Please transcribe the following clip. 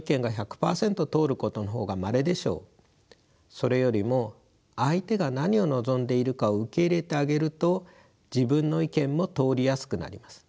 それよりも相手が何を望んでいるかを受け入れてあげると自分の意見も通りやすくなります。